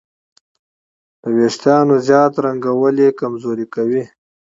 د وېښتیانو زیات رنګول یې کمزوري کوي.